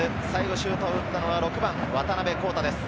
シュートを打ったのは６番・渡辺皓太です。